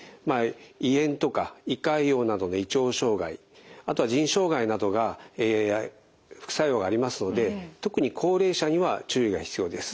胃炎とか胃潰瘍などの胃腸障害あとは腎障害などが副作用がありますので特に高齢者には注意が必要です。